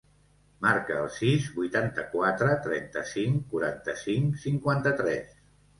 Marca el sis, vuitanta-quatre, trenta-cinc, quaranta-cinc, cinquanta-tres.